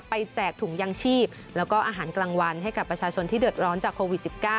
แจกถุงยางชีพแล้วก็อาหารกลางวันให้กับประชาชนที่เดือดร้อนจากโควิด๑๙